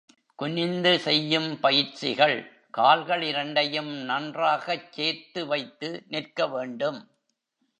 குனிந்து செய்யும் பயிற்சிகள் கால்கள் இரண்டையும் நன்றாகச் சேர்த்து வைத்து நிற்க வேண்டும்.